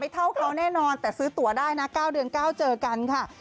เท่าเขาแน่นอนแต่ซื้อตัวได้นะ๙เดือน๙เจอกันค่ะ